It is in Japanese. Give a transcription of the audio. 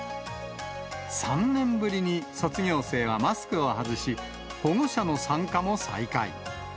３年ぶりに卒業生はマスクを外し、保護者の参加も再開。